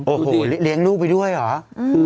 โอ้โหเลี้ยงลูกไปด้วยเหรอ